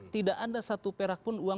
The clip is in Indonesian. tidak ada satu perak pun uang